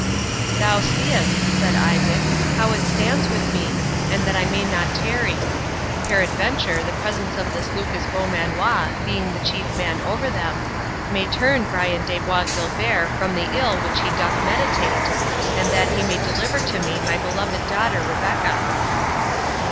"Thou seest," said Isaac, "how it stands with me, and that I may not tarry. Peradventure, the presence of this Lucas Beaumanoir, being the chief man over them, may turn Brian de Bois Guilbert from the ill which he doth meditate, and that he may deliver to me my beloved daughter Rebecca."